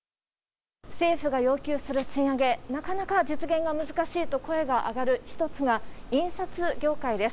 政府が要求する賃上げ、なかなか実現が難しいと声が上がる一つが、印刷業界です。